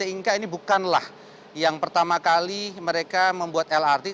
dan bagi pt inka ini bukanlah yang pertama kali mereka membuat lrt